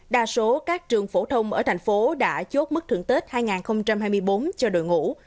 đa số các trường phổ thông ở thành phố đã chốt mức thưởng tết hai nghìn hai mươi bốn cho đội ngũ